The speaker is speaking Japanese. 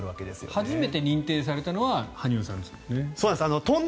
初めて認定されたのは羽生さんですもんね。